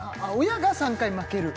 親が３回負ける？